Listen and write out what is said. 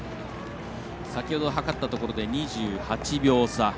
先ほど計ったところで２８秒差。